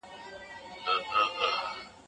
استاد د ټولنیزو جوړښتونو تشریح کوي.